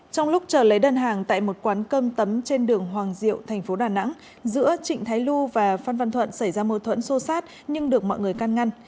trong lúc trở lấy đơn hàng tại một quán cơm tấm trên đường hoàng diệu tp đà nẵng giữa trịnh thái lu và phân văn thuận xảy ra mô thuẫn sâu sát nhưng được mọi người can ngăn